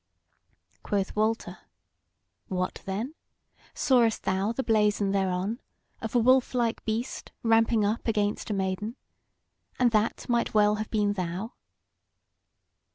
Quoth Walter: "What then! Sawest thou the blazon thereon, of a wolf like beast ramping up against a maiden? And that might well have been thou."